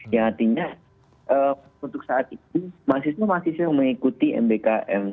yang artinya untuk saat itu mahasiswa mahasiswa yang mengikuti mbkm